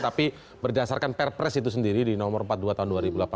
tapi berdasarkan perpres itu sendiri di nomor empat puluh dua tahun dua ribu delapan belas